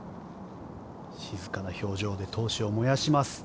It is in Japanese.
静かな表情で闘志を燃やします。